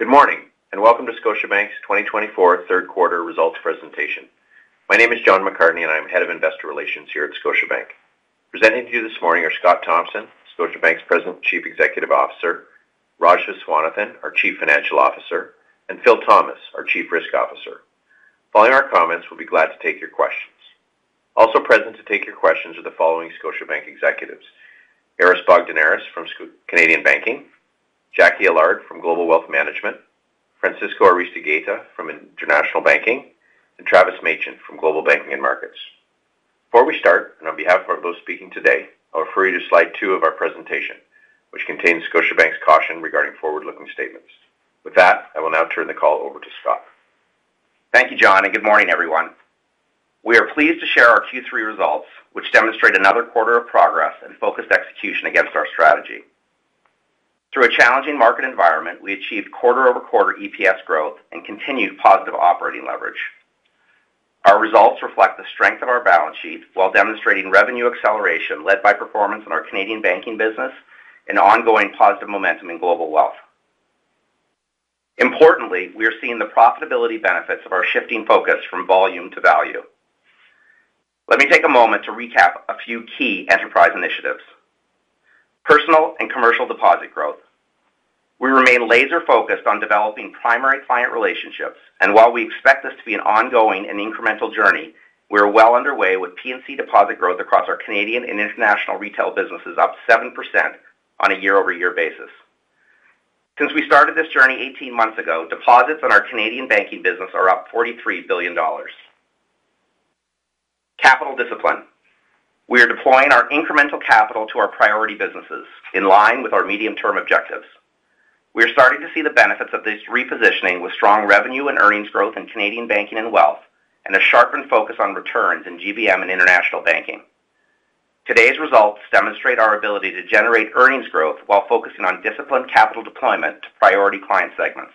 Good morning, and welcome to Scotiabank's 2024 third quarter results presentation. My name is John McCartney, and I'm Head of Investor Relations here at Scotiabank. Presenting to you this morning are Scott Thomson, Scotiabank's President and Chief Executive Officer, Raj Viswanathan, our Chief Financial Officer, and Phil Thomas, our Chief Risk Officer. Following our comments, we'll be glad to take your questions. Also present to take your questions are the following Scotiabank executives: Aris Bogdaneris from Canadian Banking, Jacqui Allard from Global Wealth Management, Francisco Aristeguieta from International Banking, and Travis Machen from Global Banking and Markets. Before we start, and on behalf of those speaking today, I refer you to slide two of our presentation, which contains Scotiabank's caution regarding forward-looking statements. With that, I will now turn the call over to Scott. Thank you, John, and good morning, everyone. We are pleased to share our Q3 results, which demonstrate another quarter of progress and focused execution against our strategy. Through a challenging market environment, we achieved quarter-over-quarter EPS growth and continued positive operating leverage. Our results reflect the strength of our balance sheet while demonstrating revenue acceleration led by performance in our Canadian Banking business and ongoing positive momentum in Global Wealth. Importantly, we are seeing the profitability benefits of our shifting focus from volume to value. Let me take a moment to recap a few key enterprise initiatives. Personal and commercial deposit growth. We remain laser-focused on developing primary client relationships, and while we expect this to be an ongoing and incremental journey, we are well underway with P&C deposit growth across our Canadian and international retail businesses, up 7% on a year-over-year basis. Since we started this journey eighteen months ago, deposits on our Canadian Banking business are up 43 billion dollars. Capital discipline. We are deploying our incremental capital to our priority businesses in line with our medium-term objectives. We are starting to see the benefits of this repositioning with strong revenue and earnings growth in Canadian Banking and wealth, and a sharpened focus on returns in GBM and International Banking. Today's results demonstrate our ability to generate earnings growth while focusing on disciplined capital deployment to priority client segments.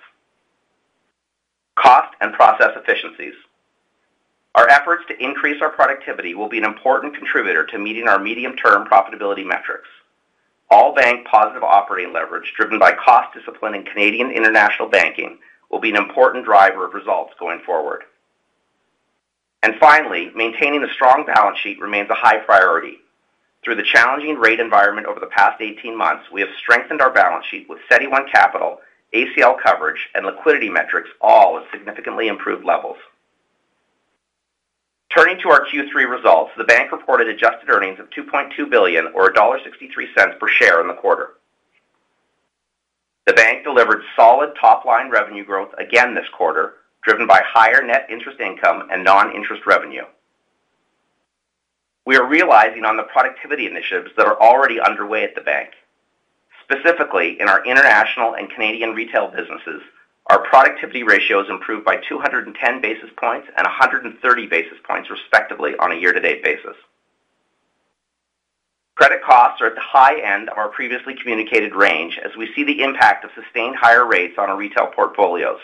Cost and process efficiencies. Our efforts to increase our productivity will be an important contributor to meeting our medium-term profitability metrics. All-bank positive operating leverage, driven by cost discipline in Canadian and International Banking, will be an important driver of results going forward. And finally, maintaining a strong balance sheet remains a high priority. Through the challenging rate environment over the past eighteen months, we have strengthened our balance sheet with CET1 capital, ACL coverage, and liquidity metrics, all at significantly improved levels. Turning to our Q3 results, the bank reported adjusted earnings of 2.2 billion or dollar 1.63 per share in the quarter. The bank delivered solid top-line revenue growth again this quarter, driven by higher net interest income and non-interest revenue. We are realizing on the productivity initiatives that are already underway at the bank. Specifically, in our international and Canadian retail businesses, our productivity ratios improved by two hundred and ten basis points and a hundred and thirty basis points, respectively, on a year-to-date basis. Credit costs are at the high end of our previously communicated range as we see the impact of sustained higher rates on our retail portfolios.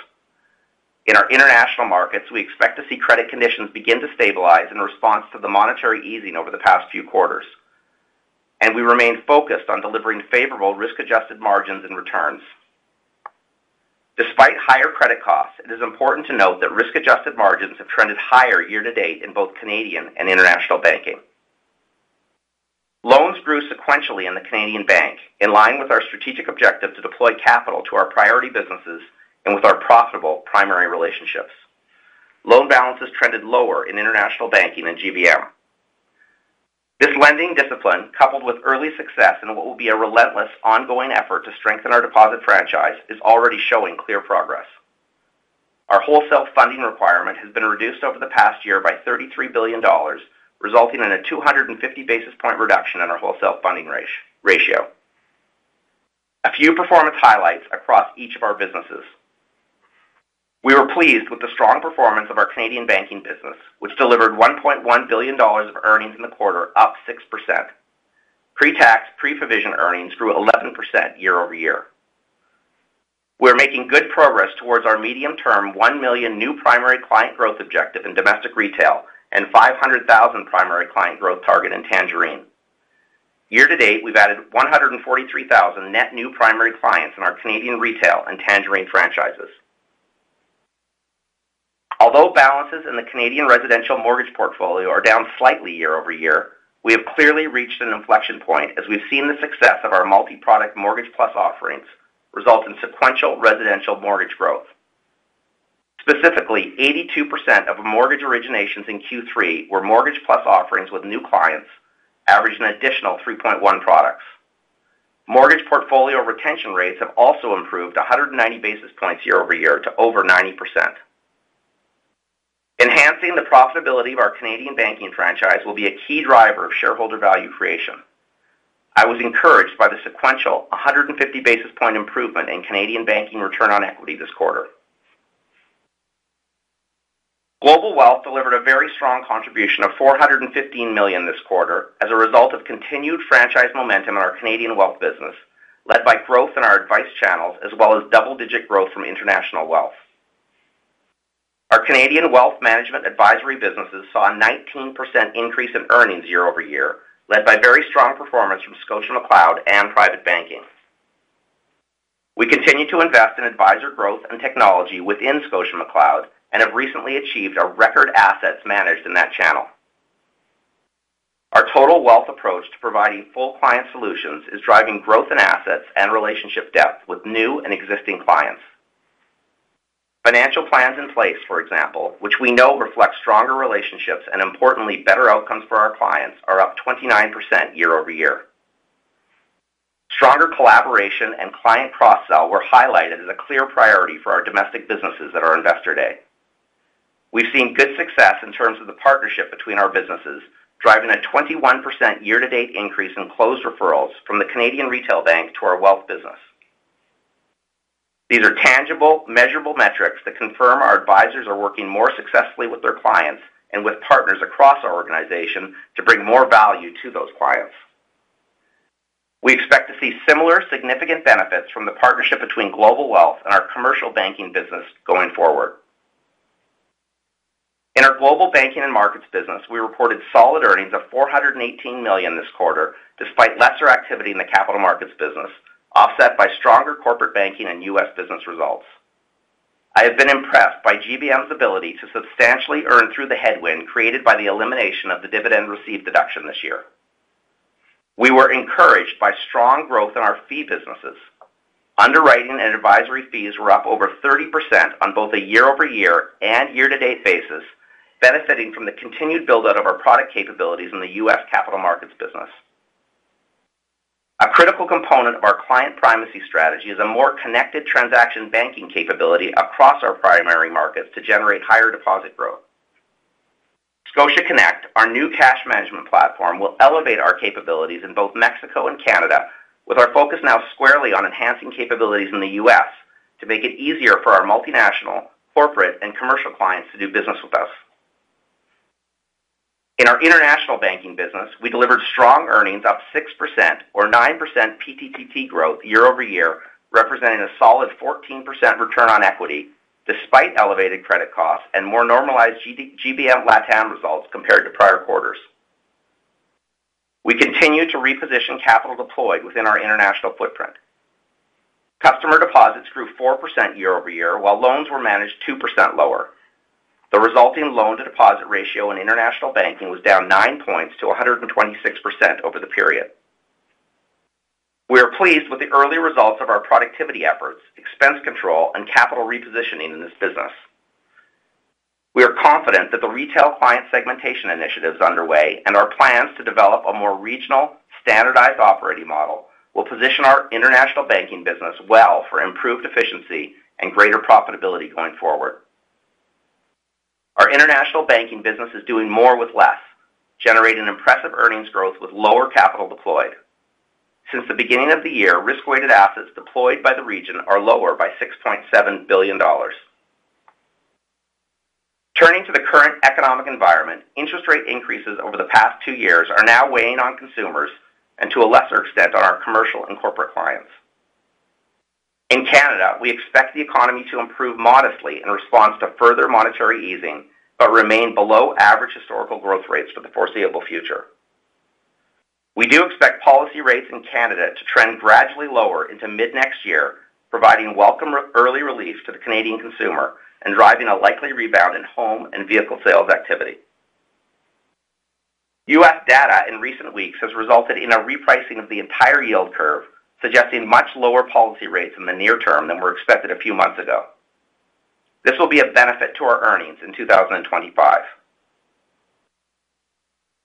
In our international markets, we expect to see credit conditions begin to stabilize in response to the monetary easing over the past few quarters, and we remain focused on delivering favorable risk-adjusted margins and returns. Despite higher credit costs, it is important to note that risk-adjusted margins have trended higher year to date in both Canadian and International Banking. Loans grew sequentially in the Canadian bank, in line with our strategic objective to deploy capital to our priority businesses and with our profitable primary relationships. Loan balances trended lower in International Banking and GBM. This lending discipline, coupled with early success in what will be a relentless, ongoing effort to strengthen our deposit franchise, is already showing clear progress. Our wholesale funding requirement has been reduced over the past year by 33 billion dollars, resulting in a 250 basis points reduction in our wholesale funding ratio. A few performance highlights across each of our businesses. We were pleased with the strong performance of our Canadian Banking business, which delivered 1.1 billion dollars of earnings in the quarter, up 6%. Pre-tax, pre-provision earnings grew 11% year over year. We're making good progress towards our medium-term 1 million new primary client growth objective in domestic retail and 500,000 primary client growth target in Tangerine. Year to date, we've added 143,000 net new primary clients in our Canadian retail and Tangerine franchises. Although balances in the Canadian residential mortgage portfolio are down slightly year over year, we have clearly reached an inflection point as we've seen the success of our multi-product Mortgage Plus offerings result in sequential residential mortgage growth. Specifically, 82% of mortgage originations in Q3 were Mortgage Plus offerings, with new clients averaging an additional 3.1 products. Mortgage portfolio retention rates have also improved 190 basis points year over year to over 90%. Enhancing the profitability of our Canadian Banking franchise will be a key driver of shareholder value creation. I was encouraged by the sequential 150 basis point improvement in Canadian Banking return on equity this quarter. Global Wealth delivered a very strong contribution of 415 million this quarter as a result of continued franchise momentum in our Canadian wealth business, led by growth in our advice channels, as well as double-digit growth from international wealth. Our Canadian wealth management advisory businesses saw a 19% increase in earnings year-over-year, led by very strong performance from ScotiaMcLeod and private banking. We continue to invest in advisor growth and technology within ScotiaMcLeod, and have recently achieved our record assets managed in that channel. Our total wealth approach to providing full client solutions is driving growth in assets and relationship depth with new and existing clients. Financial plans in place, for example, which we know reflects stronger relationships and importantly, better outcomes for our clients, are up 29% year-over-year. Stronger collaboration and client cross-sell were highlighted as a clear priority for our domestic businesses at our Investor Day. We've seen good success in terms of the partnership between our businesses, driving a 21% year-to-date increase in closed referrals from the Canadian Retail Bank to our wealth business. These are tangible, measurable metrics that confirm our advisors are working more successfully with their clients and with partners across our organization to bring more value to those clients. We expect to see similar significant benefits from the partnership between Global Wealth and our commercial banking business going forward. In our Global Banking and Markets business, we reported solid earnings of 418 million this quarter, despite lesser activity in the capital markets business, offset by stronger corporate banking and U.S. business results. I have been impressed by GBM's ability to substantially earn through the headwind created by the elimination of the dividend received deduction this year. We were encouraged by strong growth in our fee businesses. Underwriting and advisory fees were up over 30% on both a year-over-year and year-to-date basis, benefiting from the continued build-out of our product capabilities in the U.S. capital markets business. A critical component of our client primacy strategy is a more connected transaction banking capability across our primary markets to generate higher deposit growth. ScotiaConnect, our new cash management platform, will elevate our capabilities in both Mexico and Canada, with our focus now squarely on enhancing capabilities in the U.S. to make it easier for our multinational, corporate, and commercial clients to do business with us. In our International Banking business, we delivered strong earnings, up 6% or 9% PTPP growth year-over-year, representing a solid 14% return on equity, despite elevated credit costs and more normalized GBM LatAm results compared to prior quarters. We continue to reposition capital deployed within our international footprint. Customer deposits grew 4% year-over-year, while loans were managed 2% lower. The resulting loan-to-deposit ratio in International Banking was down 9 points to 126% over the period. We are pleased with the early results of our productivity efforts, expense control, and capital repositioning in this business. We are confident that the retail client segmentation initiatives underway and our plans to develop a more regional, standardized operating model will position our International Banking business well for improved efficiency and greater profitability going forward. Our International Banking business is doing more with less, generating impressive earnings growth with lower capital deployed. Since the beginning of the year, risk-weighted assets deployed by the region are lower by 6.7 billion dollars. Turning to the current economic environment, interest rate increases over the past two years are now weighing on consumers and to a lesser extent, on our commercial and corporate clients. In Canada, we expect the economy to improve modestly in response to further monetary easing, but remain below average historical growth rates for the foreseeable future. We do expect policy rates in Canada to trend gradually lower into mid-next year, providing welcome early relief to the Canadian consumer and driving a likely rebound in home and vehicle sales activity. U.S. data in recent weeks has resulted in a repricing of the entire yield curve, suggesting much lower policy rates in the near term than were expected a few months ago. This will be a benefit to our earnings in 2025.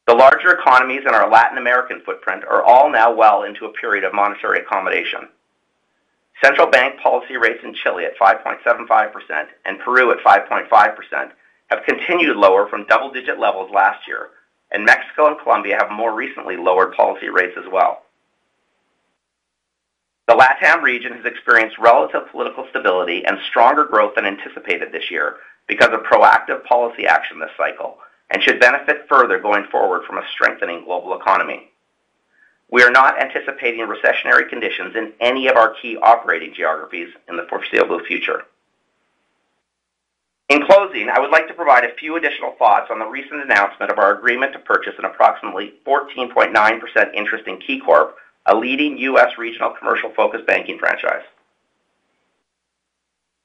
The larger economies in our Latin American footprint are all now well into a period of monetary accommodation. Central bank policy rates in Chile at 5.75% and Peru at 5.5% have continued lower from double-digit levels last year, and Mexico and Colombia have more recently lowered policy rates as well. The LatAm region has experienced relative political stability and stronger growth than anticipated this year because of proactive policy action this cycle, and should benefit further going forward from a strengthening global economy. We are not anticipating recessionary conditions in any of our key operating geographies in the foreseeable future. In closing, I would like to provide a few additional thoughts on the recent announcement of our agreement to purchase an approximately 14.9% interest in KeyCorp, a leading U.S. regional commercial-focused banking franchise.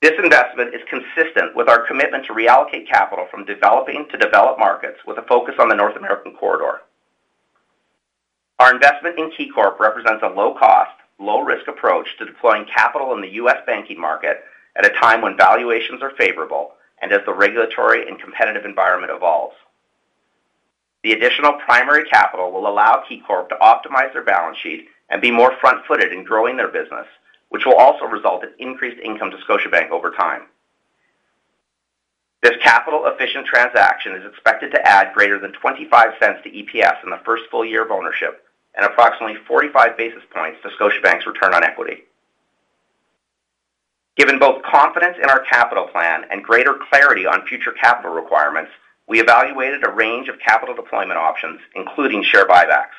This investment is consistent with our commitment to reallocate capital from developing to developed markets with a focus on the North American corridor. Our investment in KeyCorp represents a low cost, low risk approach to deploying capital in the U.S. banking market at a time when valuations are favorable and as the regulatory and competitive environment evolves. The additional primary capital will allow KeyCorp to optimize their balance sheet and be more front-footed in growing their business, which will also result in increased income to Scotiabank over time. This capital-efficient transaction is expected to add greater than 0.25 to EPS in the first full year of ownership and approximately 45 basis points to Scotiabank's return on equity. Given both confidence in our capital plan and greater clarity on future capital requirements, we evaluated a range of capital deployment options, including share buybacks.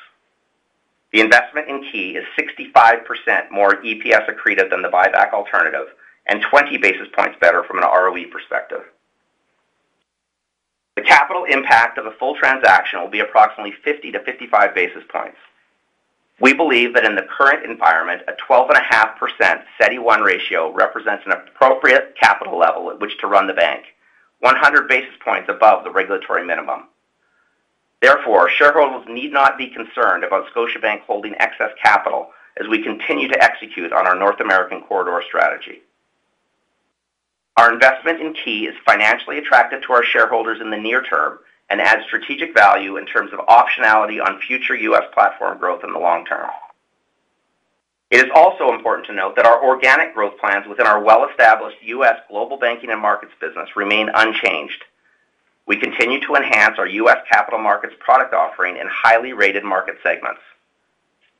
The investment in Key is 65% more EPS accretive than the buyback alternative, and 20 basis points better from an ROE perspective. The capital impact of a full transaction will be approximately 50-55 basis points. We believe that in the current environment, a 12.5% CET1 ratio represents an appropriate capital level at which to run the bank, one hundred basis points above the regulatory minimum. Therefore, shareholders need not be concerned about Scotiabank holding excess capital as we continue to execute on our North American corridor strategy. Our investment in Key is financially attractive to our shareholders in the near term and adds strategic value in terms of optionality on future U.S. platform growth in the long term. It is also important to note that our organic growth plans within our well-established U.S. Global Banking and Markets business remain unchanged. We continue to enhance our U.S. capital markets product offering in highly rated market segments.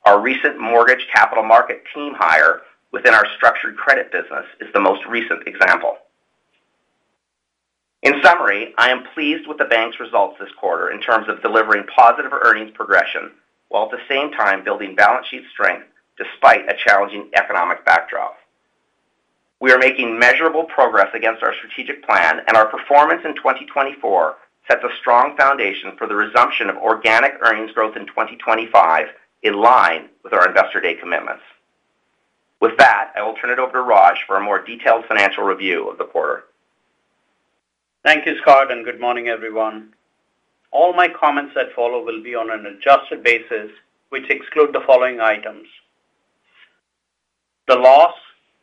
Our recent mortgage capital market team hire within our structured credit business is the most recent example. In summary, I am pleased with the bank's results this quarter in terms of delivering positive earnings progression, while at the same time building balance sheet strength despite a challenging economic backdrop. We are making measurable progress against our strategic plan, and our performance in twenty twenty-four sets a strong foundation for the resumption of organic earnings growth in twenty twenty-five, in line with our Investor Day commitments. With that, I will turn it over to Raj for a more detailed financial review of the quarter. Thank you, Scott, and good morning, everyone. All my comments that follow will be on an adjusted basis, which exclude the following items: the loss,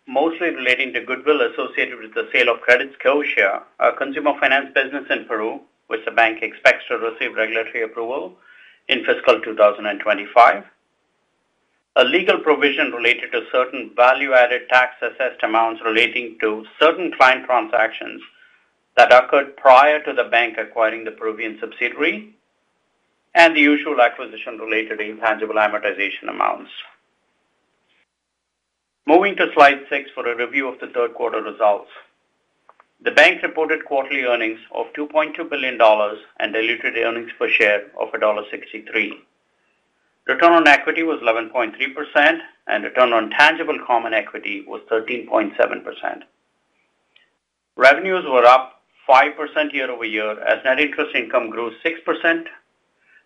mostly relating to goodwill associated with the sale of CrediScotia, our consumer finance business in Peru, which the bank expects to receive regulatory approval in fiscal 2025. A legal provision related to certain value-added tax assessed amounts relating to certain client transactions that occurred prior to the bank acquiring the Peruvian subsidiary, and the usual acquisition-related intangible amortization amounts. Moving to slide 6 for a review of the third quarter results. The bank reported quarterly earnings of 2.2 billion dollars and diluted earnings per share of dollar 1.63. Return on equity was 11.3%, and return on tangible common equity was 13.7%. Revenues were up 5% year over year, as net interest income grew 6%,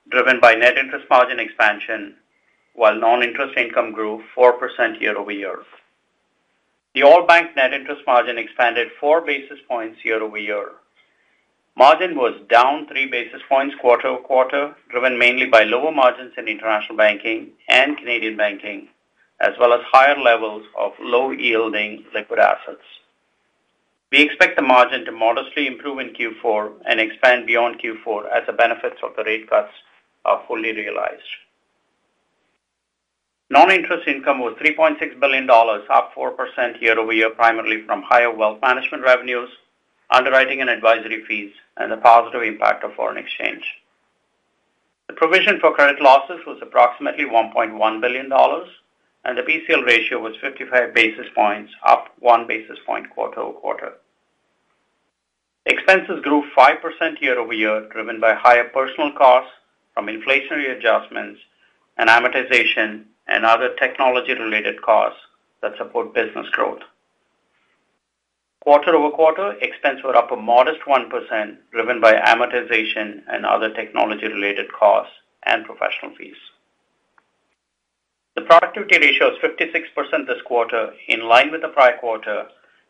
driven by net interest margin expansion, while non-interest income grew 4% year over year. The all bank net interest margin expanded 4 basis points year over year. Margin was down 3 basis points quarter over quarter, driven mainly by lower margins in International Banking and Canadian Banking, as well as higher levels of low-yielding liquid assets. We expect the margin to modestly improve in Q4 and expand beyond Q4 as the benefits of the rate cuts are fully realized. Non-interest income was 3.6 billion dollars, up 4% year over year, primarily from higher wealth management revenues, underwriting and advisory fees, and the positive impact of foreign exchange. The provision for credit losses was approximately 1.1 billion dollars, and the PCL ratio was 55 basis points, up 1 basis point quarter over quarter. Expenses grew 5% year over year, driven by higher personal costs from inflationary adjustments and amortization and other technology-related costs that support business growth. Quarter over quarter, expenses were up a modest 1%, driven by amortization and other technology-related costs and professional fees. The productivity ratio is 56% this quarter, in line with the prior quarter,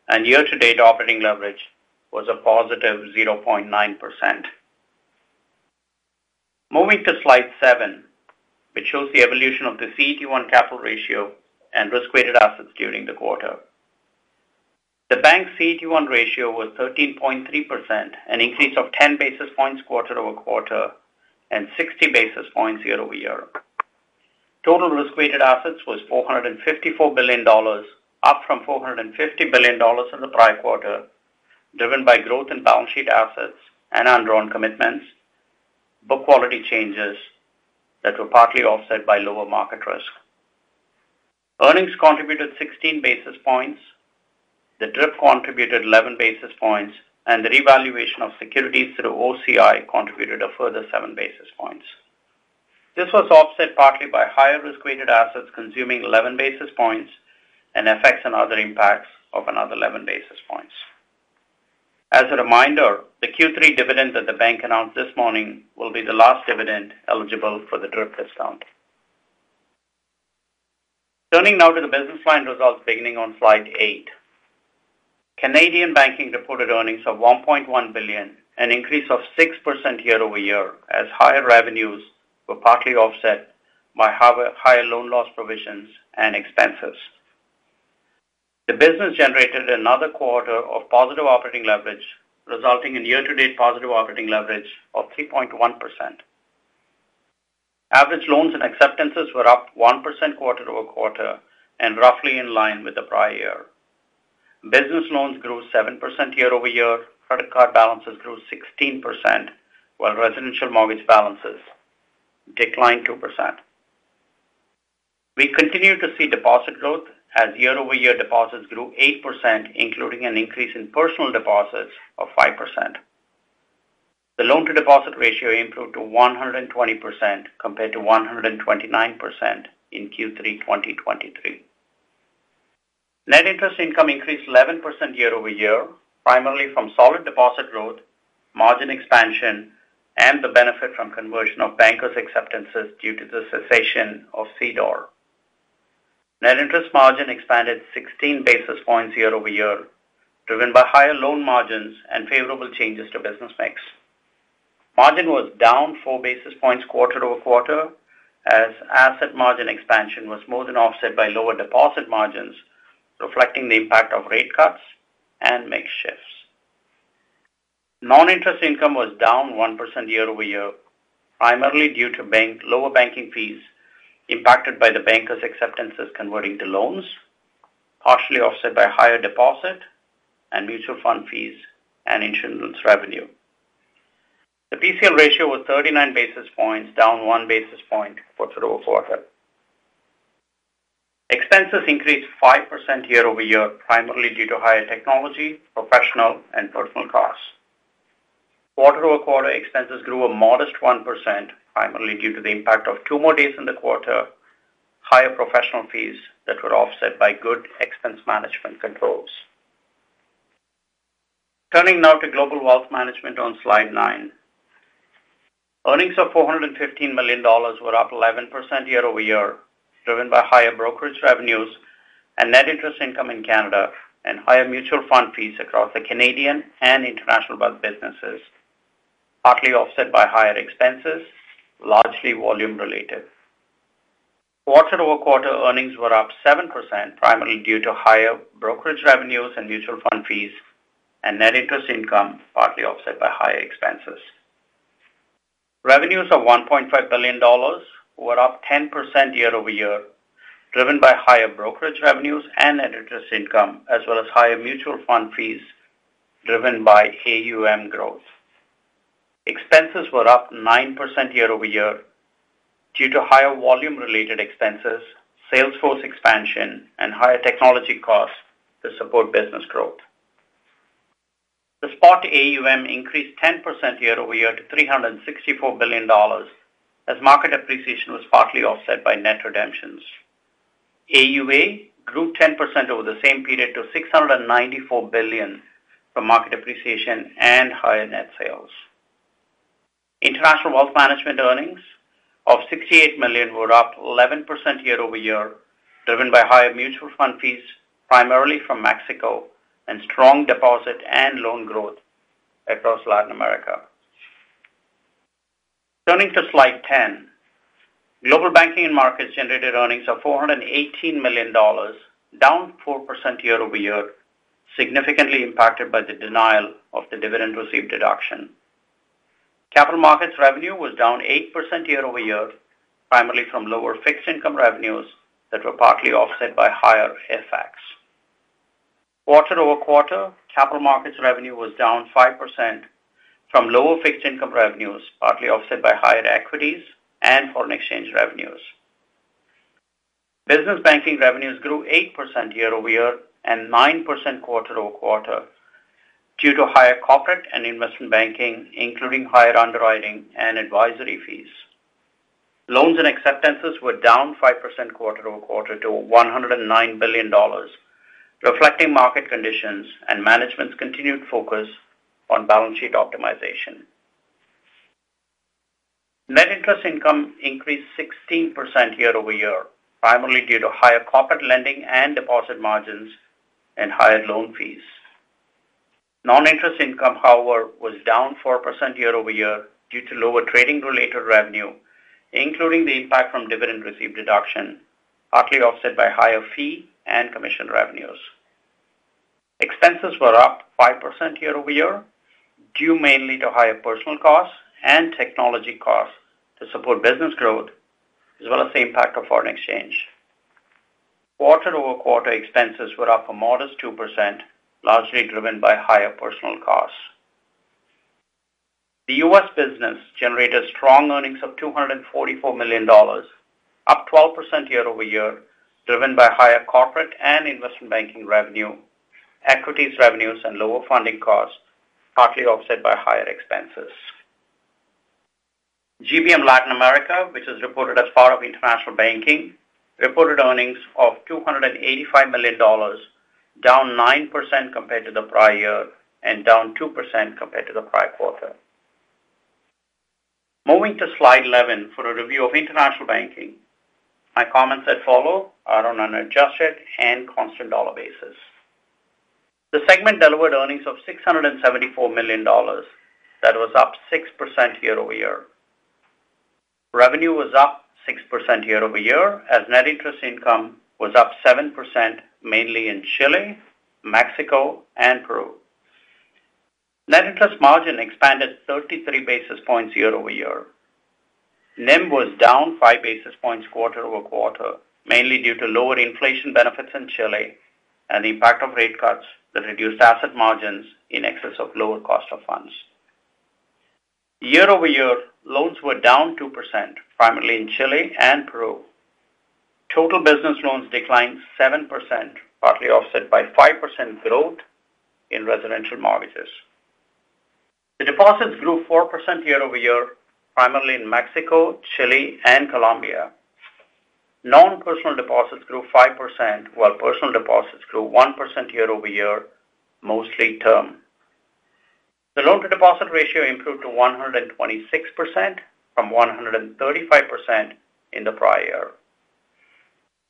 and year-to-date operating leverage was a positive 0.9%. Moving to slide seven, which shows the evolution of the CET1 capital ratio and risk-weighted assets during the quarter. The bank's CET1 ratio was 13.3%, an increase of 10 basis points quarter over quarter and 60 basis points year over year. Total risk-weighted assets was 454 billion dollars, up from 450 billion dollars in the prior quarter, driven by growth in balance sheet assets and undrawn commitments, book quality changes that were partly offset by lower market risk. Earnings contributed 16 basis points, the DRIP contributed 11 basis points, and the revaluation of securities through OCI contributed a further seven basis points. This was offset partly by higher risk-weighted assets, consuming 11 basis points and effects on other impacts of another 11 basis points. As a reminder, the Q3 dividend that the bank announced this morning will be the last dividend eligible for the DRIP discount. Turning now to the business line results beginning on slide 8. Canadian Banking reported earnings of 1.1 billion, an increase of 6% year over year, as higher revenues were partly offset by higher loan loss provisions and expenses. The business generated another quarter of positive operating leverage, resulting in year-to-date positive operating leverage of 3.1%. Average loans and acceptances were up 1% quarter over quarter and roughly in line with the prior year. Business loans grew 7% year over year. Credit card balances grew 16%, while residential mortgage balances declined 2%. We continue to see deposit growth as year-over-year deposits grew 8%, including an increase in personal deposits of 5%. The loan to deposit ratio improved to 120%, compared to 129% in Q3 2023. Net interest income increased 11% year-over-year, primarily from solid deposit growth, margin expansion, and the benefit from conversion of bankers acceptances due to the cessation of CDOR. Net interest margin expanded sixteen basis points year-over-year, driven by higher loan margins and favorable changes to business mix. Margin was down four basis points quarter over quarter, as asset margin expansion was more than offset by lower deposit margins, reflecting the impact of rate cuts and mix shifts. Non-interest income was down 1% year-over-year, primarily due to lower banking fees impacted by the bankers acceptances converting to loans, partially offset by higher deposit and mutual fund fees and insurance revenue. The PCL ratio was thirty-nine basis points, down one basis point quarter over quarter. Expenses increased 5% year-over-year, primarily due to higher technology, professional and personnel costs. Quarter-over-quarter expenses grew a modest 1%, primarily due to the impact of two more days in the quarter, higher professional fees that were offset by good expense management controls. Turning now to Global Wealth management on slide nine. Earnings of 415 million dollars were up 11% year-over-year, driven by higher brokerage revenues and net interest income in Canada, and higher mutual fund fees across the Canadian and international wealth businesses, partly offset by higher expenses, largely volume related. Quarter-over-quarter earnings were up 7%, primarily due to higher brokerage revenues and mutual fund fees, and net interest income, partly offset by higher expenses. Revenues of 1.5 billion dollars were up 10% year-over-year, driven by higher brokerage revenues and net interest income, as well as higher mutual fund fees driven by AUM growth. Expenses were up 9% year-over-year, due to higher volume-related expenses, salesforce expansion, and higher technology costs to support business growth. The spot AUM increased 10% year-over-year to 364 billion dollars, as market appreciation was partly offset by net redemptions. AUA grew 10% over the same period to 694 billion from market appreciation and higher net sales. International wealth management earnings of 68 million were up 11% year-over-year, driven by higher mutual fund fees, primarily from Mexico, and strong deposit and loan growth across Latin America. Turning to slide 10. Global Banking and Markets generated earnings of 418 million dollars, down 4% year-over-year, significantly impacted by the denial of the dividend received deduction. Capital markets revenue was down 8% year-over-year, primarily from lower fixed income revenues that were partly offset by higher FX. Quarter over quarter, capital markets revenue was down 5% from lower fixed income revenues, partly offset by higher equities and foreign exchange revenues. Business banking revenues grew 8% year-over-year and 9% quarter over quarter, due to higher corporate and investment banking, including higher underwriting and advisory fees. Loans and acceptances were down 5% quarter over quarter to 109 billion dollars, reflecting market conditions and management's continued focus on balance sheet optimization. Net interest income increased 16% year-over-year, primarily due to higher corporate lending and deposit margins and higher loan fees. Non-interest income, however, was down 4% year-over-year due to lower trading-related revenue, including the impact from dividend received deduction, partly offset by higher fee and commission revenues. Expenses were up 5% year-over-year, due mainly to higher personal costs and technology costs to support business growth, as well as the impact of foreign exchange. Quarter over quarter expenses were up a modest 2%, largely driven by higher personal costs. The US business generated strong earnings of 244 million dollars, up 12% year-over-year, driven by higher corporate and investment banking revenue, equities revenues, and lower funding costs, partly offset by higher expenses. GBM Latin America, which is reported as part of International Banking, reported earnings of 285 million dollars, down 9% compared to the prior year and down 2% compared to the prior quarter. Moving to slide 11 for a review of International Banking. My comments that follow are on an adjusted and constant dollar basis. The segment delivered earnings of 674 million dollars, that was up 6% year-over-year. Revenue was up 6% year-over-year, as net interest income was up 7%, mainly in Chile, Mexico, and Peru. Net interest margin expanded 33 basis points year-over-year. NIM was down 5 basis points quarter over quarter, mainly due to lower inflation benefits in Chile and the impact of rate cuts that reduced asset margins in excess of lower cost of funds. Year-over-year, loans were down 2%, primarily in Chile and Peru. Total business loans declined 7%, partly offset by 5% growth in residential mortgages. The deposits grew 4% year-over-year, primarily in Mexico, Chile, and Colombia. Non-personal deposits grew 5%, while personal deposits grew 1% year-over-year, mostly term. The loan-to-deposit ratio improved to 126% from 135% in the prior year.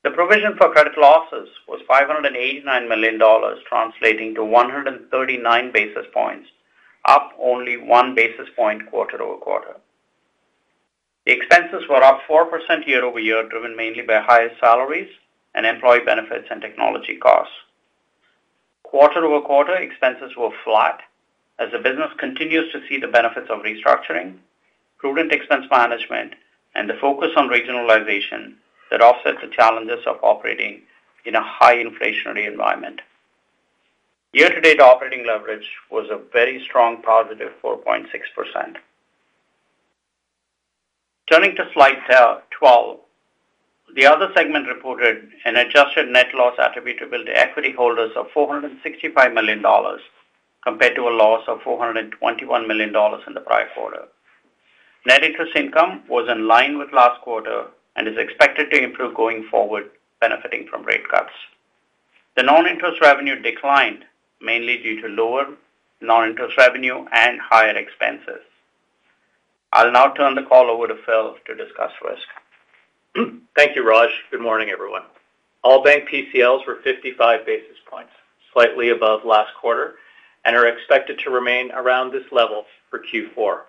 The provision for credit losses was 589 million dollars, translating to 139 basis points, up only 1 basis point quarter over quarter. The expenses were up 4% year-over-year, driven mainly by higher salaries and employee benefits and technology costs. Quarter over quarter, expenses were flat as the business continues to see the benefits of restructuring, prudent expense management, and the focus on regionalization that offset the challenges of operating in a high inflationary environment. Year-to-date operating leverage was a very strong positive, 4.6%. Turning to slide 12, the other segment reported an adjusted net loss attributable to equity holders of 465 million dollars, compared to a loss of 421 million dollars in the prior quarter. Net interest income was in line with last quarter and is expected to improve going forward, benefiting from rate cuts. The non-interest revenue declined, mainly due to lower non-interest revenue and higher expenses. I'll now turn the call over to Phil to discuss risk. Thank you, Raj. Good morning, everyone. All-bank PCLs were 55 basis points, slightly above last quarter, and are expected to remain around this level for Q4.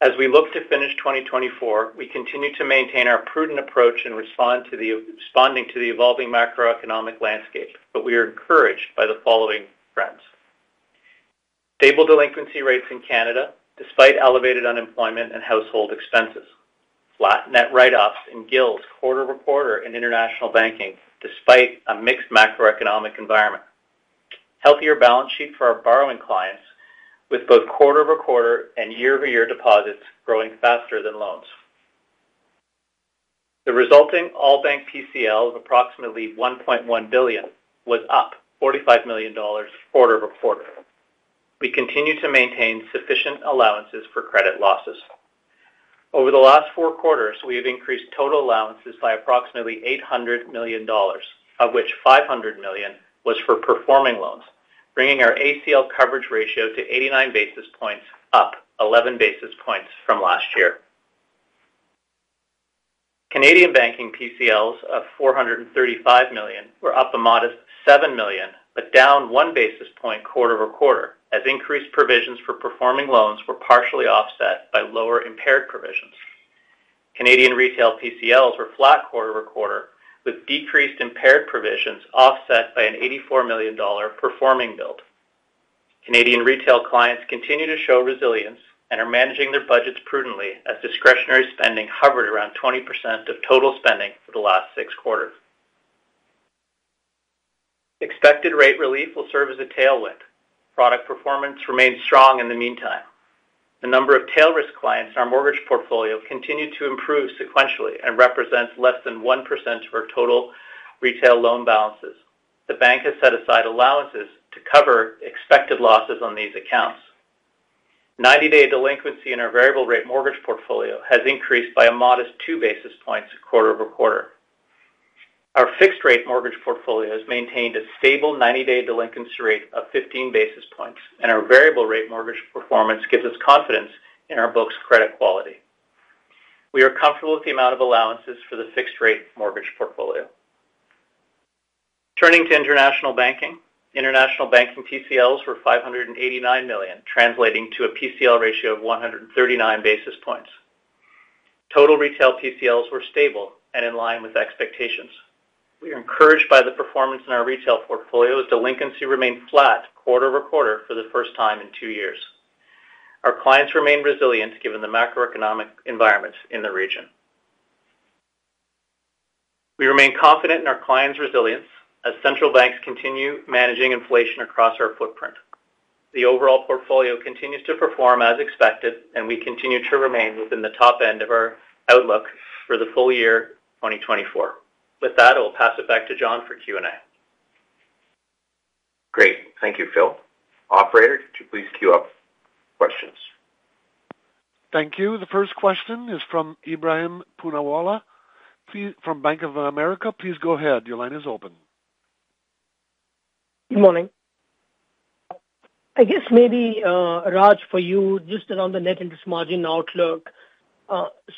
As we look to finish 2024, we continue to maintain our prudent approach and respond to the evolving macroeconomic landscape, but we are encouraged by the following trends: Stable delinquency rates in Canada, despite elevated unemployment and household expenses. Flat net write-offs in GILs, quarter over quarter in International Banking, despite a mixed macroeconomic environment. Healthier balance sheet for our borrowing clients, with both quarter over quarter and year over year deposits growing faster than loans. The resulting all-bank PCL of approximately 1.1 billion was up 45 million dollars quarter over quarter. We continue to maintain sufficient allowances for credit losses. Over the last four quarters, we have increased total allowances by approximately 800 million dollars, of which 500 million was for performing loans, bringing our ACL coverage ratio to 89 basis points, up 11 basis points from last year. Canadian Banking PCLs of 435 million were up a modest 7 million, but down 1 basis point quarter over quarter, as increased provisions for performing loans were partially offset by lower impaired provisions. Canadian retail PCLs were flat quarter over quarter, with decreased impaired provisions offset by a 84 million dollar performing build. Canadian retail clients continue to show resilience and are managing their budgets prudently, as discretionary spending hovered around 20% of total spending for the last six quarters. Expected rate relief will serve as a tailwind. Product performance remains strong in the meantime. The number of tail risk clients in our mortgage portfolio continue to improve sequentially and represents less than 1% of our total retail loan balances. The bank has set aside allowances to cover expected losses on these accounts. Ninety-day delinquency in our variable rate mortgage portfolio has increased by a modest 2 basis points quarter over quarter. Our fixed rate mortgage portfolio has maintained a stable ninety-day delinquency rate of 15 basis points, and our variable rate mortgage performance gives us confidence in our books' credit quality. We are comfortable with the amount of allowances for the fixed rate mortgage portfolio. Turning to International Banking. International Banking PCLs were 589 million, translating to a PCL ratio of 139 basis points. Total retail PCLs were stable and in line with expectations. We are encouraged by the performance in our retail portfolio as delinquency remained flat quarter over quarter for the first time in two years. Our clients remain resilient, given the macroeconomic environment in the region. We remain confident in our clients' resilience as central banks continue managing inflation across our footprint. The overall portfolio continues to perform as expected, and we continue to remain within the top end of our outlook for the full year twenty twenty-four. With that, I'll pass it back to John for Q&A. Great. Thank you, Phil. Operator, could you please queue up questions? Thank you. The first question is from Ebrahim Poonawala, please, from Bank of America. Please go ahead. Your line is open. Good morning. I guess maybe, Raj, for you, just around the net interest margin outlook.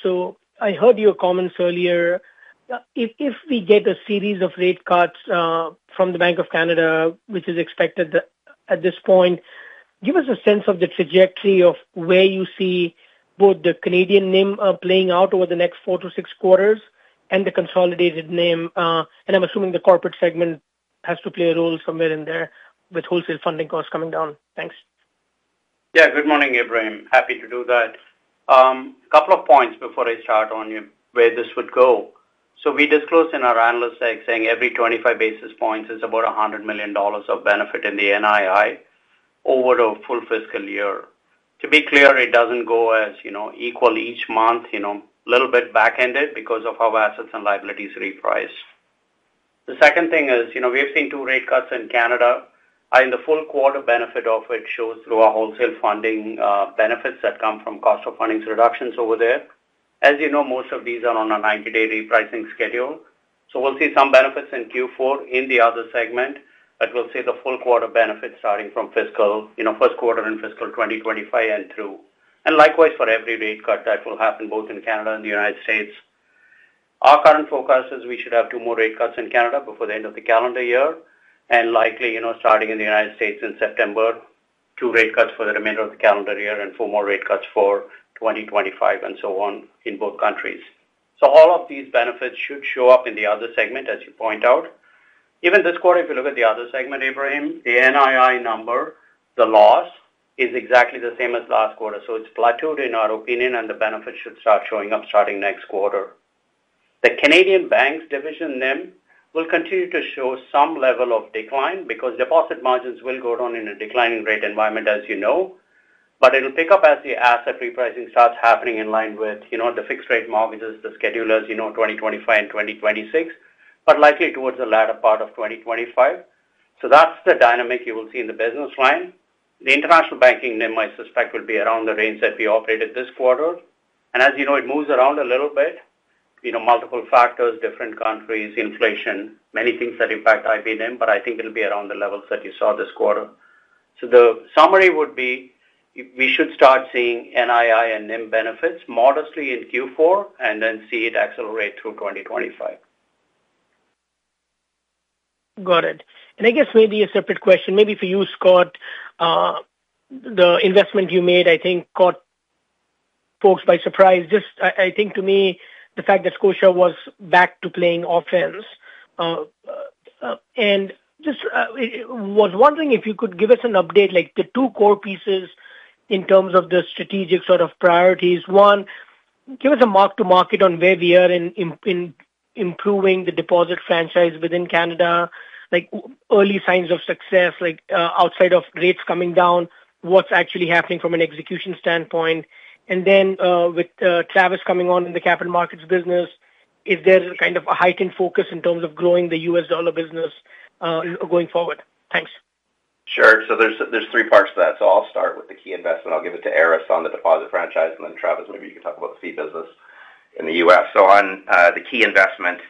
So I heard your comments earlier. If we get a series of rate cuts from the Bank of Canada, which is expected at this point, give us a sense of the trajectory of where you see both the Canadian NIM playing out over the next four to six quarters and the consolidated NIM. And I'm assuming the corporate segment has to play a role somewhere in there with wholesale funding costs coming down. Thanks. Yeah, good morning, Ebrahim. Happy to do that. A couple of points before I start on you, where this would go. So we disclosed in our analyst deck saying every twenty-five basis points is about 100 million dollars of benefit in the NII.... over the full fiscal year. To be clear, it doesn't go as, you know, equal each month, you know, a little bit back-ended because of how our assets and liabilities reprice. The second thing is, you know, we have seen two rate cuts in Canada, and the full quarter benefit of it shows through our wholesale funding, benefits that come from cost of funds reductions over there. As you know, most of these are on a ninety-day repricing schedule, so we'll see some benefits in Q4 in the other segment, but we'll see the full quarter benefit starting from fiscal, you know, first quarter in fiscal twenty twenty-five and through. And likewise, for every rate cut, that will happen both in Canada and the United States. Our current forecast is we should have two more rate cuts in Canada before the end of the calendar year, and likely, you know, starting in the United States in September, two rate cuts for the remainder of the calendar year and four more rate cuts for 2025 and so on in both countries. So all of these benefits should show up in the other segment, as you point out. Even this quarter, if you look at the other segment, Ebrahim, the NII number, the loss, is exactly the same as last quarter. So it's plateaued in our opinion, and the benefit should start showing up starting next quarter. The Canadian banks division NIM will continue to show some level of decline because deposit margins will go down in a declining rate environment, as you know, but it'll pick up as the asset repricing starts happening in line with, you know, the fixed rate mortgages, the schedulers, you know, 2025 and 2026, but likely towards the latter part of 2025. So that's the dynamic you will see in the business line. The International Banking NIM, I suspect, will be around the range that we operated this quarter, and as you know, it moves around a little bit, you know, multiple factors, different countries, inflation, many things that impact IB NIM, but I think it'll be around the levels that you saw this quarter. The summary would be, we should start seeing NII and NIM benefits modestly in Q4, and then see it accelerate through 2025. Got it. I guess maybe a separate question, maybe for you, Scott. The investment you made, I think, caught folks by surprise. Just, I think to me, the fact that Scotia was back to playing offense, and just was wondering if you could give us an update, like the two core pieces in terms of the strategic sort of priorities. One, give us a mark to market on where we are in improving the deposit franchise within Canada. Like, early signs of success, like, outside of rates coming down, what's actually happening from an execution standpoint? Then, with Travis coming on in the capital markets business, is there kind of a heightened focus in terms of growing the U.S. dollar business, going forward? Thanks. Sure. So there's three parts to that. I'll start with the key investment. I'll give it to Aris on the deposit franchise, and then Travis, maybe you can talk about the fee business in the US. So on the key investment,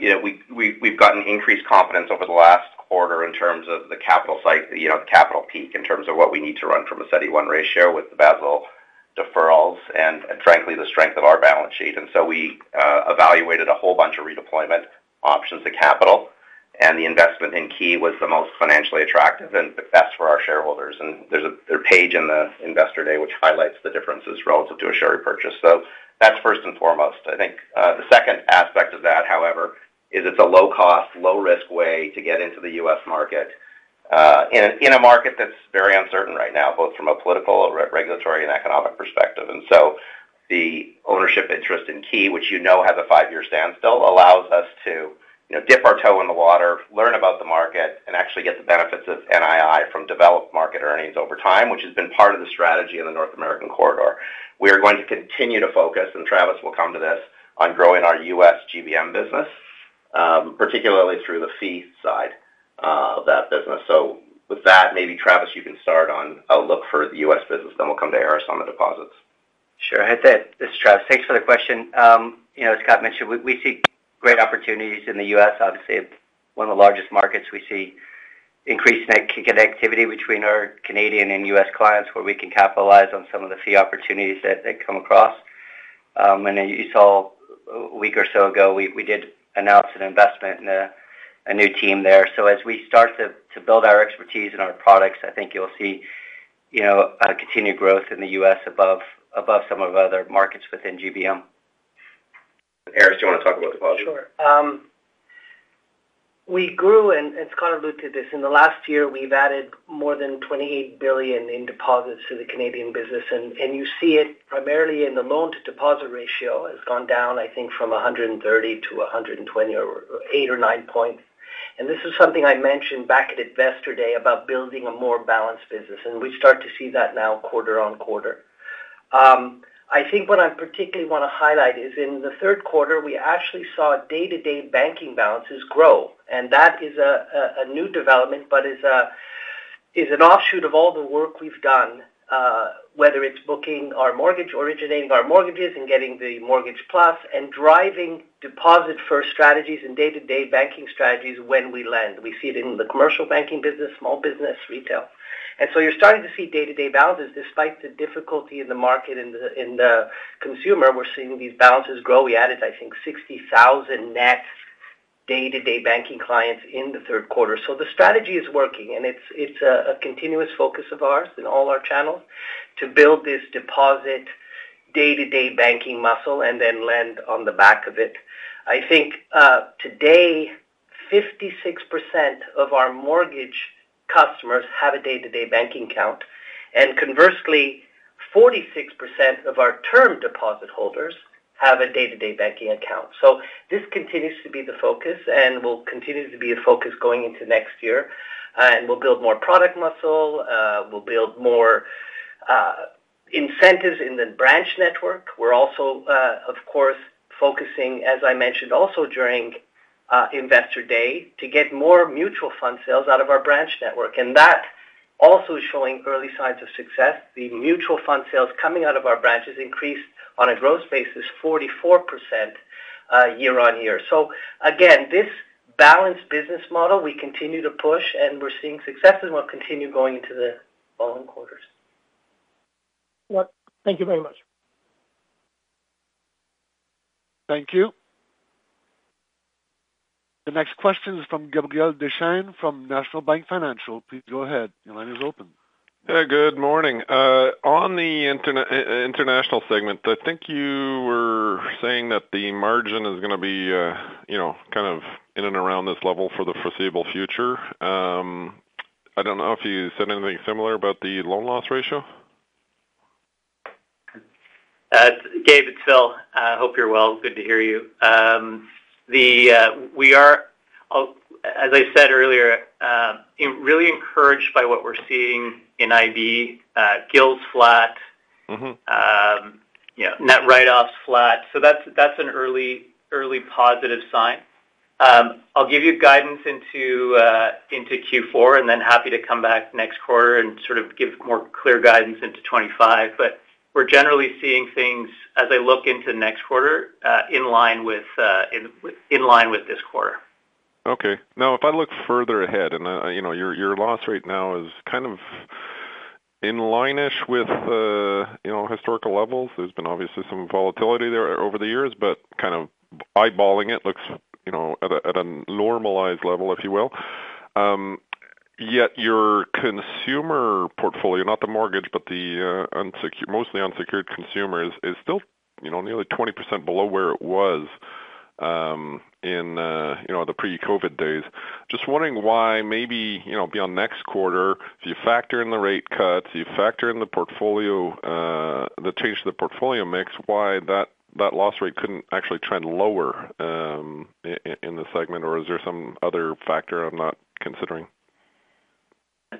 you know, we've gotten increased confidence over the last quarter in terms of the capital side, you know, the capital stack, in terms of what we need to run from a CET1 ratio with the Basel deferrals and frankly, the strength of our balance sheet. And so we evaluated a whole bunch of redeployment options to capital, and the investment in Key was the most financially attractive and the best for our shareholders. And there's a page in the investor day, which highlights the differences relative to a share repurchase. So that's first and foremost. I think, the second aspect of that, however, is it's a low cost, low risk way to get into the U.S. market, in a market that's very uncertain right now, both from a political, regulatory, and economic perspective, and so the ownership interest in Key, which you know, has a five-year standstill, allows us to, you know, dip our toe in the water, learn about the market, and actually get the benefits of NII from developed market earnings over time, which has been part of the strategy in the North American corridor. We are going to continue to focus, and Travis will come to this, on growing our U.S. GBM business, particularly through the fee side, of that business, so with that, maybe Travis, you can start on outlook for the U.S. business, then we'll come to Aris on the deposits. Sure. Hey, Ted, this is Travis. Thanks for the question. You know, as Scott mentioned, we see great opportunities in the US. Obviously, it's one of the largest markets. We see increased net connectivity between our Canadian and US clients, where we can capitalize on some of the fee opportunities that they come across. And you saw a week or so ago, we did announce an investment in a new team there. So as we start to build our expertise and our products, I think you'll see, you know, a continued growth in the US above some of our other markets within GBM. Aris, do you want to talk about the deposit? Sure. We grew, and Scott alluded to this, in the last year, we've added more than 28 billion in deposits to the Canadian business, and you see it primarily in the loan to deposit ratio has gone down, I think, from 130 to 128 or 129 points. This is something I mentioned back at Investor Day about building a more balanced business, and we start to see that now quarter on quarter. I think what I particularly want to highlight is in the third quarter, we actually saw day-to-day banking balances grow, and that is a new development, but is an offshoot of all the work we've done, whether it's booking our mortgage, originating our mortgages, and getting the Mortgage Plus, and driving deposit-first strategies and day-to-day banking strategies when we lend. We see it in the commercial banking business, small business, retail. And so you're starting to see day-to-day balances despite the difficulty in the market. In the consumer, we're seeing these balances grow. We added, I think, 60,000 net day-to-day banking clients in the third quarter. So the strategy is working, and it's a continuous focus of ours in all our channels to build this deposit day-to-day banking muscle and then lend on the back of it. I think today, 56% of our mortgage customers have a day-to-day banking account. And conversely-... 46% of our term deposit holders have a day-to-day banking account. This continues to be the focus and will continue to be a focus going into next year. And we'll build more product muscle. We'll build more incentives in the branch network. We're also, of course, focusing, as I mentioned, also during Investor Day, to get more mutual fund sales out of our branch network, and that also is showing early signs of success. The mutual fund sales coming out of our branches increased on a growth basis 44% year on year. So again, this balanced business model, we continue to push, and we're seeing success, and we'll continue going into the following quarters. Thank you very much. Thank you. The next question is from Gabriel Dechaine from National Bank Financial. Please go ahead. Your line is open. Hey, good morning. On the international segment, I think you were saying that the margin is going to be, you know, kind of in and around this level for the foreseeable future. I don't know if you said anything similar about the loan loss ratio? Gabe, it's Phil. Hope you're well. Good to hear you. We are, as I said earlier, really encouraged by what we're seeing in IB. GILs flat- Mm-hmm. Yeah, net write-offs flat. So that's an early positive sign. I'll give you guidance into Q4, and then happy to come back next quarter and sort of give more clear guidance into twenty-five. But we're generally seeing things as I look into next quarter, in line with this quarter. Okay. Now, if I look further ahead, and, you know, your loss rate now is kind of in line-ish with, you know, historical levels. There's been obviously some volatility there over the years, but kind of eyeballing it looks, you know, at a normalized level, if you will. Yet your consumer portfolio, not the mortgage, but the mostly unsecured consumers, is still, you know, nearly 20% below where it was, in, you know, the pre-COVID days. Just wondering why maybe, you know, beyond next quarter, if you factor in the rate cuts, you factor in the portfolio, the change to the portfolio mix, why that loss rate couldn't actually trend lower, in the segment, or is there some other factor I'm not considering?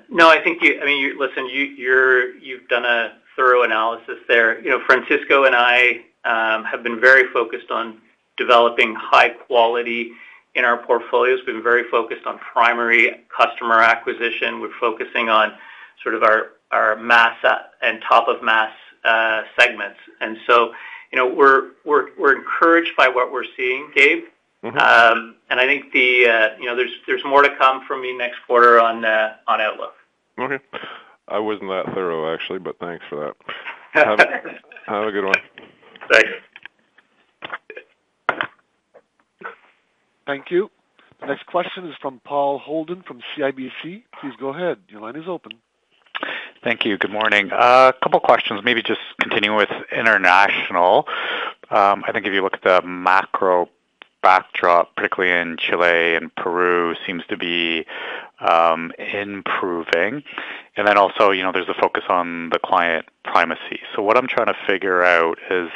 No, I think I mean, listen, you've done a thorough analysis there. You know, Francisco and I have been very focused on developing high quality in our portfolios. We've been very focused on primary customer acquisition. We're focusing on sort of our mass affluent and top of mass segments. And so, you know, we're encouraged by what we're seeing, Gabe. Mm-hmm. And I think, you know, there's more to come from me next quarter on outlook. Okay. I wasn't that thorough, actually, but thanks for that. Have a good one. Thanks. Thank you. The next question is from Paul Holden from CIBC. Please go ahead. Your line is open. Thank you. Good morning. A couple questions, maybe just continuing with international. I think if you look at the macro backdrop, particularly in Chile and Peru, seems to be improving. And then also, you know, there's a focus on the client primacy. So what I'm trying to figure out is,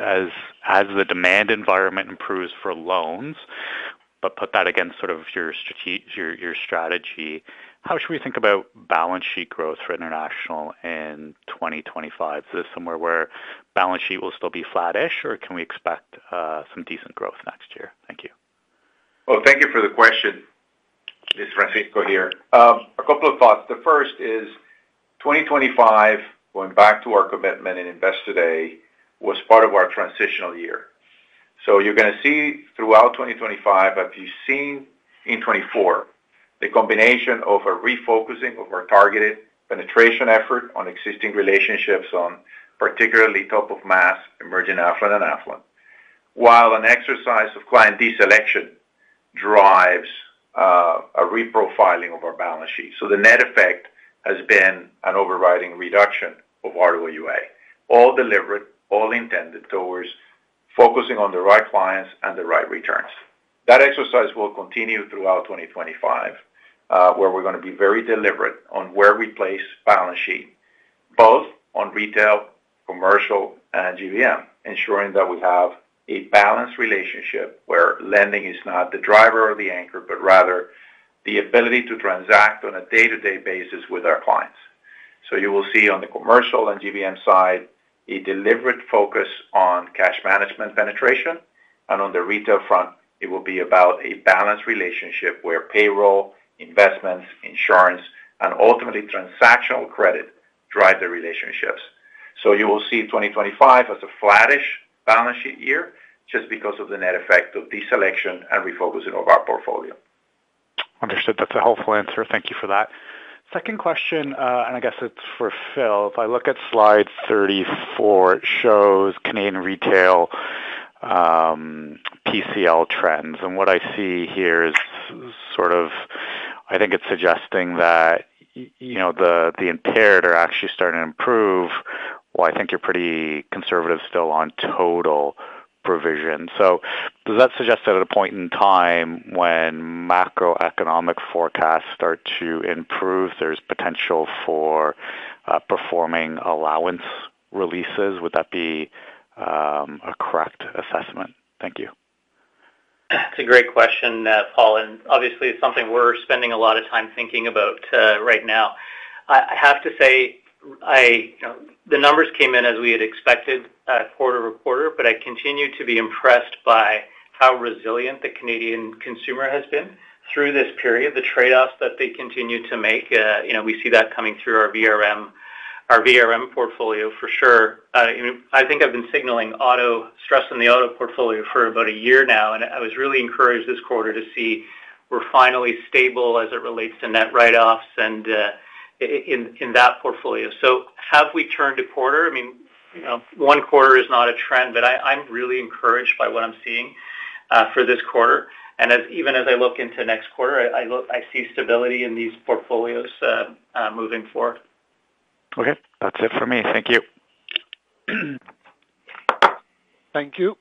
as the demand environment improves for loans, but put that against sort of your strategy, how should we think about balance sheet growth for international in 2025? So is this somewhere where balance sheet will still be flattish, or can we expect some decent growth next year? Thank you. Thank you for the question. It's Francisco here. A couple of thoughts. The first is 2025, going back to our commitment in Investor Day, was part of our transitional year. You're going to see throughout 2025, as you've seen in 2024, the combination of a refocusing of our targeted penetration effort on existing relationships on particularly top of mass, emerging affluent and affluent, while an exercise of client deselection drives a reprofiling of our balance sheet. The net effect has been an overriding reduction of RWA, all deliberate, all intended towards focusing on the right clients and the right returns. That exercise will continue throughout 2025, where we're going to be very deliberate on where we place balance sheet, both on retail, commercial, and GBM, ensuring that we have a balanced relationship where lending is not the driver or the anchor, but rather the ability to transact on a day-to-day basis with our clients. So you will see on the commercial and GBM side, a deliberate focus on cash management penetration, and on the retail front, it will be about a balanced relationship where payroll, investments, insurance, and ultimately transactional credit drive the relationships. So you will see 2025 as a flattish balance sheet year, just because of the net effect of deselection and refocusing of our portfolio. Understood. That's a helpful answer. Thank you for that. Second question, and I guess it's for Phil. If I look at slide thirty-four, it shows Canadian retail, PCL trends. And what I see here is sort of, I think it's suggesting that, you know, the impaired are actually starting to improve, while I think you're pretty conservative still on total provision. So does that suggest that at a point in time when macroeconomic forecasts start to improve, there's potential for, performing allowance releases? Would that be, a correct assessment? Thank you. That's a great question, Paul, and obviously, it's something we're spending a lot of time thinking about, right now. I have to say, You know, the numbers came in as we had expected, quarter to quarter, but I continue to be impressed by how resilient the Canadian consumer has been through this period, the trade-offs that they continue to make. You know, we see that coming through our VRM, our VRM portfolio for sure. You know, I think I've been signaling auto stress in the auto portfolio for about a year now, and I was really encouraged this quarter to see we're finally stable as it relates to net write-offs and, in that portfolio. So have we turned a quarter? I mean, you know, one quarter is not a trend, but I'm really encouraged by what I'm seeing for this quarter. Even as I look into next quarter, I see stability in these portfolios moving forward. Okay, that's it for me. Thank you. Thank you.